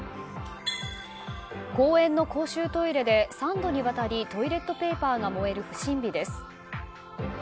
公園の公衆トイレで３度にわたりトイレットペーパーが燃える不審火です。